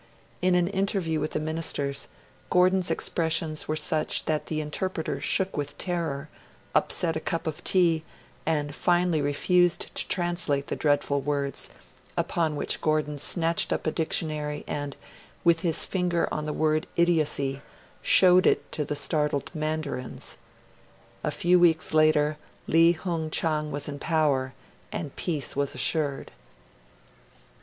In an interview with the Ministers, Gordon's expressions were such that the interpreter shook with terror, upset a cup of tea, and finally refused to translate the dreadful words; upon which Gordon snatched up a dictionary, and, with his finger on the word 'idiocy', showed it to the startled Mandarins. A few weeks later, Li Hung Chang was in power, and peace was assured.